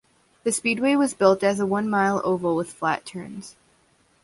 The speedway was built as a one-mile oval with flat turns.